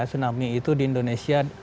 tsunami itu di indonesia